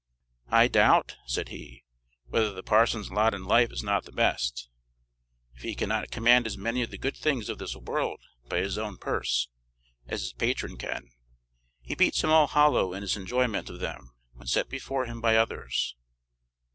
"I doubt," said he, "whether the parson's lot in life is not the best; if he cannot command as many of the good things of this world by his own purse as his patron can, he beats him all hollow in his enjoyment of them when set before him by others.